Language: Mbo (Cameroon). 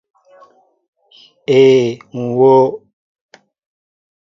Ee, ŋ wóó.